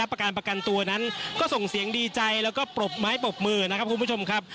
ประกันตัวนั้นก็ส่งเสียงดีใจแล้วก็ปรบไม้ปรบมือนะครับคุณผู้ชมครับ